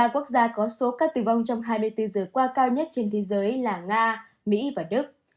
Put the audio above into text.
ba quốc gia có số ca tử vong trong hai mươi bốn giờ qua cao nhất trên thế giới là nga mỹ và đức